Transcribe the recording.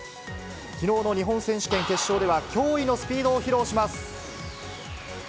きのうの日本選手権決勝では、驚異のスピードを披露します。